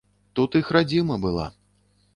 Тут іх радзіма была.